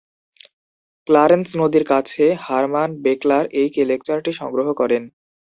Clarence নদীর কাছে Hermann বেকলার এই লেকচারটি সংগ্রহ করেন।